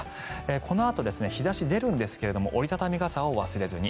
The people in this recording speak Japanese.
このあと日差し、出るんですが折り畳み傘を忘れずに。